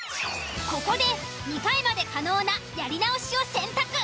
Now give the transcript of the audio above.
ここで２回まで可能なやり直しを選択。